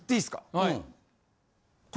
はい。